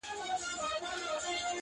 دا دی د مرګ، و دایمي محبس ته ودرېدم ،